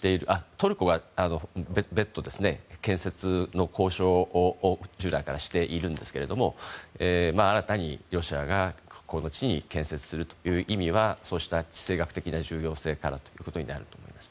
トルコが別途、建設の交渉を従来からしているんですけども新たにロシアがこの地に建設するという意味はそうした地政学的な重要性かなということになります。